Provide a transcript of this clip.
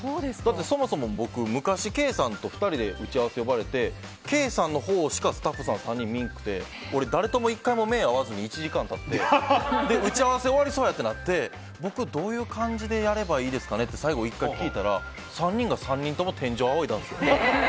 そもそも僕、昔ケイさんと２人で打ち合わせ呼ばれてケイさんのほうしかスタッフは見なくて俺、誰とも１回も目が合わずに１時間経って打ち合わせ終わりそうやってなって僕、どういう感じでやればいいですか？と聞いたら３人が３人とも天井を仰いだんですよ。